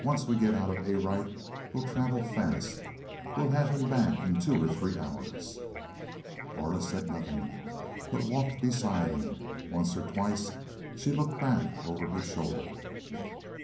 "Once we get out of Arite we'll travel fast; we'll have him back in two or three hours." Aura said nothing, but walked beside him. Once or twice she looked back over her shoulder.